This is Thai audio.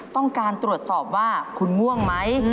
ต้องการตรวจสอบว่าคุณง่วงไหม